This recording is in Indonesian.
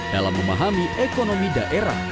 dalam memahami ekonomi daerah